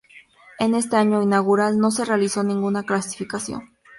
En este año inaugural, no se realizó ninguna clasificación.